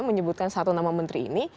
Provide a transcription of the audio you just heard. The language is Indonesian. menyebutkan satu nama menteri ini